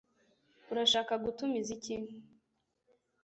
urashaka gutumiza iki